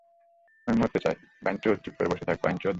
আমি মরতে চাই, বাইনচোদ চুপ করে বসে থাক বাইনচোদ।